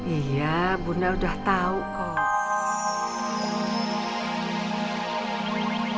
iya bunda udah tahu kok